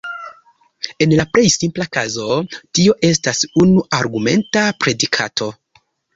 En la plej simpla kazo, tio estas unu-argumenta predikato.